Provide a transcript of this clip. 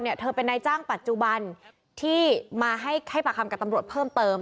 เธอเป็นนายจ้างปัจจุบันที่มาให้ปากคำกับตำรวจเพิ่มเติม